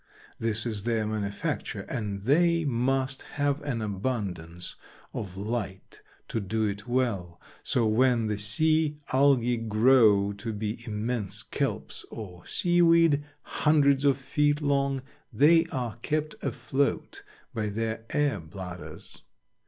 This is their manufacture and they must have an abundance of light to do it well, so when the sea Algae grow to be immense kelps or seaweed, hundreds of feet long, they are kept afloat by their air bladders.